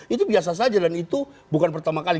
itu biasa saja dan itu bukan pertama kali